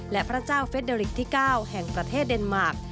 และพระเจ้าเฟสเดอริกที่๙แห่งประเทศเดนมาร์ค